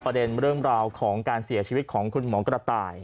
เรื่องราวของการเสียชีวิตของคุณหมอกระต่าย